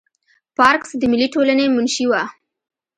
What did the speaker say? پارکس د ملي ټولنې منشي وه.